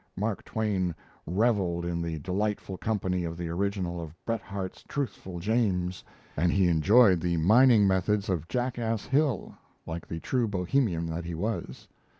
Mark Twain revelled in the delightful company of the original of Bret Harte's "Truthful James," and he enjoyed the mining methods of Jackass Hill, like the true Bohemian that he was.